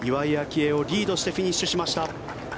愛をリードしてフィニッシュしました。